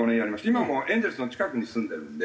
今もエンゼルスの近くに住んでるので。